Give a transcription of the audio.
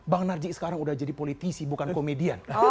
bang narjik sekarang udah jadi politisi bukan komedian